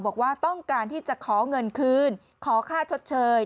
บอกว่าต้องการที่จะขอเงินคืนขอค่าชดเชย